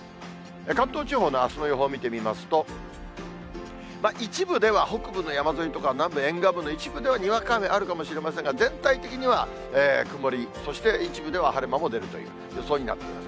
関東地方のあすの予報を見てみますと、一部では、北部の山沿いとか南部沿岸部の一部では、にわか雨もあるかもしれませんが、全体的には曇り、そして一部では晴れ間も出るという予想になっています。